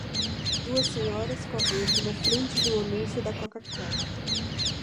Duas senhoras correndo na frente de um anúncio da CocaCola.